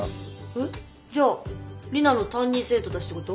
えっじゃあ里奈の担任生徒たちってこと？